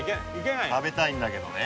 食べたいんだけどね